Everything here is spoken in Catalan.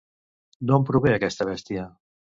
D'on prové aquesta bèstia?